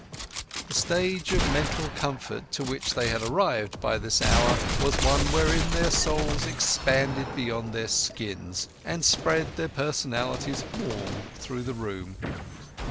The stage of mental comfort to which they had arrived at this hour was one wherein their souls expanded beyond their skins, and spread their personalities warmly through the room.